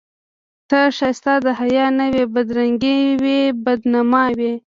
ته ښایست د حیا نه وې بدرنګي وې بد نما وې